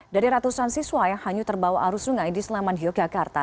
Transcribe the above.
dari ratusan siswa yang hanyut terbawa arus sungai di sleman yogyakarta